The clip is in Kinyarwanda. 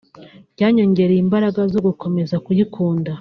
byanyongereye imbaraga zo gukomeza kuyikunda